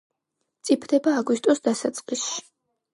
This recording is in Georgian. მწიფდება აგვისტოს დასაწყისში.